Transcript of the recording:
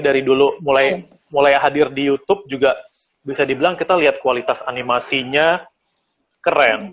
dari dulu mulai hadir di youtube juga bisa dibilang kita lihat kualitas animasinya keren